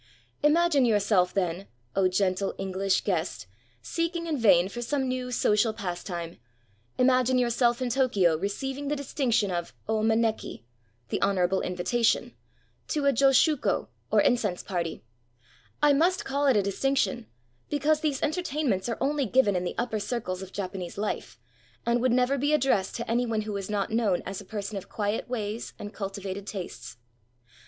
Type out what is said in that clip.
Imagine yourself, then, — oh, gentle EngUsh guest! seeking in vain for some new social pastime — imagine yourself in Tokyo receiving the distinction of 0 maneki — the honorable invitation — to a josshuko, or incense party. I must call it a distinction, because these entertainments are only given in the upper circles of Japanese life, and would never be addressed to any one who was not known as a person of quiet ways and cultivated tastes.